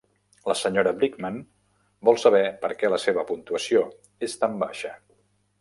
La senyora Brickman vol saber perquè la seva puntuació és tan baixa.